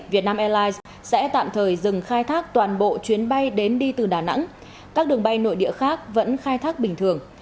việt nam airlines sẽ tạm thời dừng khai thác toàn bộ chuyến bay đến đi từ đà nẵng các đường bay nội địa khác vẫn khai thác bình thường